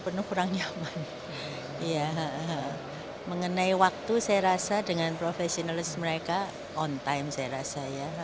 penuh kurang nyaman ya mengenai waktu saya rasa dengan profesionalis mereka on time saya rasa ya